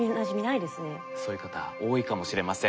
そういう方多いかもしれません。